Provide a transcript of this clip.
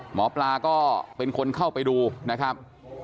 หมอปลาก็เป็นคนเข้าไปดูนะครับ